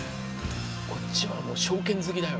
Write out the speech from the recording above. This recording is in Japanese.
こっちはもう正拳突きだよ。